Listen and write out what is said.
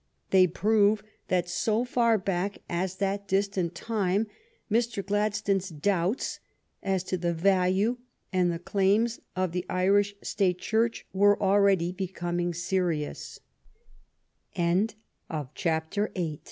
They prove that so far back as that distant time Mr. Gladstone's doubts as to the value and the claims of the Irish State Church were already becoming